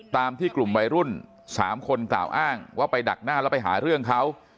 ตามที่กลุ่มวัยรุ่น๓คนกล่าวอ้างว่าไปดักหน้าแล้วไปหาเรื่องเขา